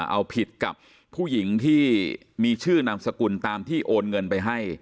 เอาผิดกับผู้หญิงที่มีชื่อนามสกุลตามที่โอนเงินไปให้